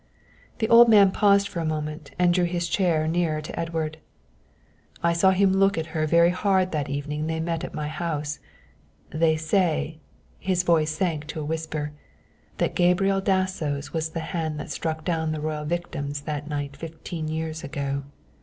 The old man paused for a moment and drew his chair nearer to Edward. "I saw him look at her very hard that evening they met at my house. They say," his voice sank to a whisper, "that Gabriel Dasso's was the hand that struck down the royal victims that night fifteen years ago.